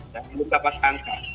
dan belum dapat angka